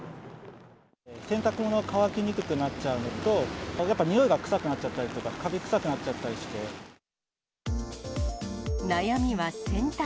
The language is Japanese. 洗濯物が乾きにくくなっちゃうのと、やっぱにおいが臭くなっちゃったりとか、かび臭くなっちゃったり悩みは洗濯。